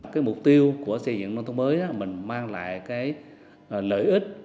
cái mục tiêu của xây dựng nông thông mới là mình mang lại cái lợi ích